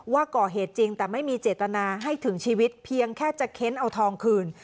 ว่าก่อเหตุจริงแต่ไม่มีเจตนาให้ถึงชีวิตเพียงแค่จะเค้นเอาทองคืน